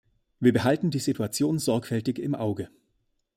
Wir behalten die Situation sorgfältig im Auge.